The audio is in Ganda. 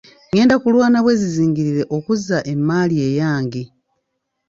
Ngenda kulwana bwezizingirire okuzza emmaali eyange.